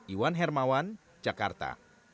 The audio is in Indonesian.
iwan hermawan jakarta